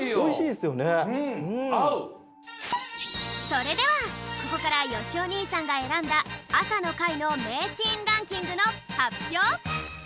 それではここからよしお兄さんが選んだ朝の会の名シーンランキングの発表！